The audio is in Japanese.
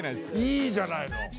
いいじゃないの。